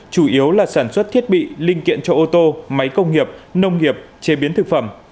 chủ yếu là sản xuất thiết bị linh kiện cho ô tô máy công nghiệp nông nghiệp chế biến thực phẩm